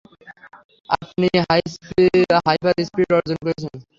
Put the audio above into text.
আপনি হাইপার-স্পিড অর্জন করেছেন।